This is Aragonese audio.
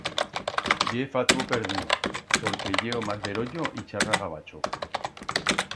Ye fatuo perdiu, porque ye o mas beroyo y charra gavacho.